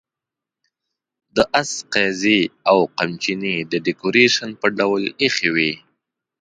د آس قیضې او قمچینې د ډیکوریشن په ډول اېښې وې.